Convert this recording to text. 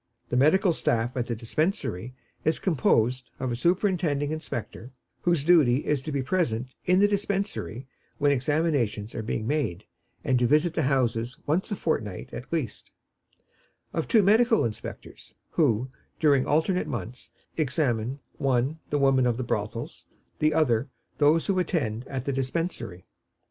The medical staff of the Dispensary is composed of a superintending inspector, whose duty is to be present in the Dispensary when examinations are being made, and to visit the houses once a fortnight at least; of two medical inspectors, who, during alternate months, examine, one the women in the brothels, the other those who attend at the Dispensary.